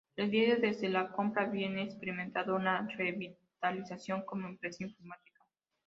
El diario desde la compra viene experimentando una revitalización como empresa informativa.